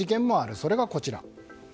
それがこちら。